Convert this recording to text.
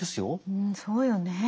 うんそうよね。